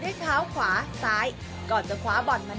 ดอกด้วยเท้าขวาซ้ายก่อนจะขวาบบรบบ่อนตอบแนบเอว